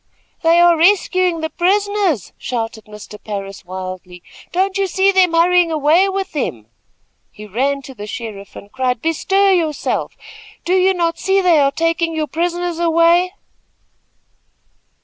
"They are rescuing the prisoners," shouted Mr. Parris, wildly. "Don't you see them hurrying away with them." He ran to the sheriff and cried: "Bestir yourself! Do you not see they are taking your prisoners away?"